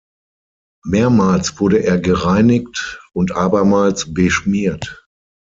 Mehrmals wurde er gereinigt und abermals beschmiert.